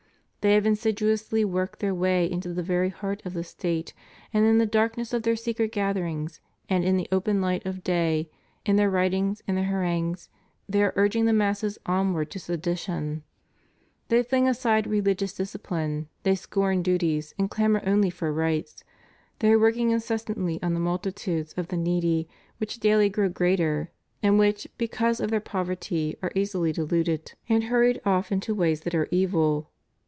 They have insidiously worked their way into the very heart of the State, and in the darkness of their secret gatherings, and in the open light of day, in their writings and their harangues, they are urging the masses onward to sedition; they fling aside religious dis cipline, they scorn duties and clamor only for rights ; they are working incessantly on the multitudes of the needy which daily grow greater, and which, because of their poverty, are easily deluded and hurried off into ways that are evil.